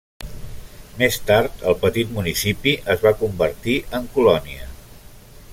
Més tard el petit municipi es va convertir en colònia.